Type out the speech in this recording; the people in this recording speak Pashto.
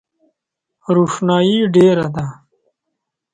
روښنایي ډېره ده .